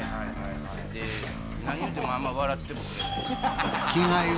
で何言うてもあんまり笑ってもくれない。